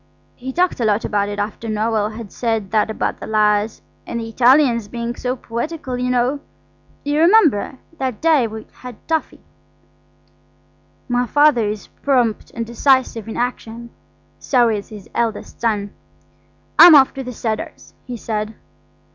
He talked a lot about it after Noël had said that about the lyres–and the Italians being so poetical, you know. You remember that day we had toffee." My Father is prompt and decisive in action, so is his eldest son. "I'm off to the Cedars," he said.